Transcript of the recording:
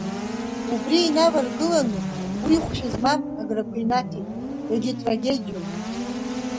Убри инаваргыланы, уи хәшәы змам аграқәа инаҭеит иагьтрагедиоуп.